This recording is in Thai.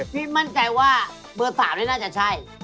พี่มั่นใจว่าเบอร์๓นี่น่าจะใช่